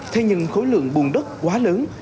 thế nhưng khối lượng bùn đất quá lớn